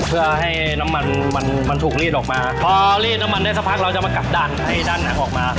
เพื่อให้น้ำมันมันมันถูกรีดออกมา